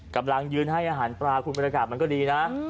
กำลังยืนให้อาหารปลาคุณบรรยากาศมันก็ดีนะ